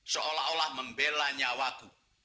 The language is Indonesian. seolah olah membela nyawaku